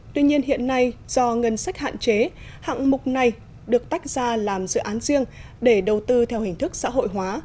tuy nhiên hiện nay do ngân sách hạn chế hạng mục này được tách ra làm dự án riêng để đầu tư theo hình thức xã hội hóa